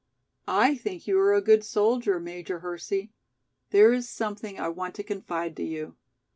"I think you are a good soldier, Major Hersey. There is something I want to confide to you.